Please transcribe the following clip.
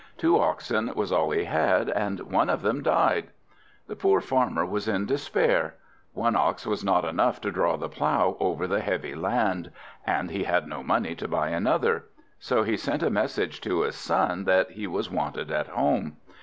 Two oxen was all he had, and one of them died. The poor Farmer was in despair. One ox was not enough to draw the plough over the heavy land; and he had no money to buy another. So he sent a message to his son, that he was wanted at home.